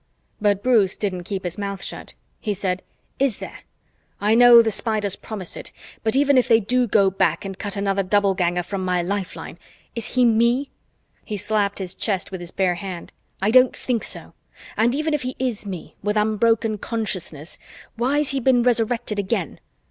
But Bruce didn't keep his mouth shut. He said, "Is there? I know the Spiders promise it, but even if they do go back and cut another Doubleganger from my lifeline, is he me?" He slapped his chest with his bare hand. "I don't think so. And even if he is me, with unbroken consciousness, why's he been Resurrected again?